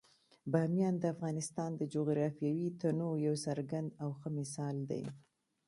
بامیان د افغانستان د جغرافیوي تنوع یو څرګند او ښه مثال دی.